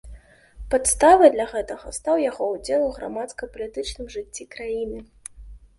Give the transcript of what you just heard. Падставай для гэтага стаў яго ўдзел у грамадска-палітычным жыцці краіны.